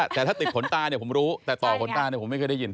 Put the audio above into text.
แต่ถ้าติดขนตาเนี่ยผมรู้แต่ต่อขนตาเนี่ยผมไม่เคยได้ยิน